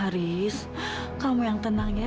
riz kamu yang tenang ya